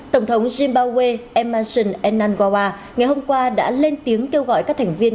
tổng thống zimbabwe emerson enan gawa ngày hôm qua đã lên tiếng kêu gọi các thành viên